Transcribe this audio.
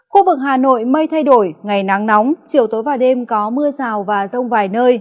khu vực hà nội mây thay đổi ngày nắng nóng chiều tối và đêm có mưa rào và rông vài nơi